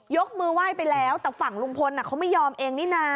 ยกมือไหว้ไปแล้วแต่ฝั่งลุงพลเขาไม่ยอมเองนี่นะ